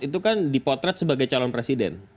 itu kan dipotret sebagai calon presiden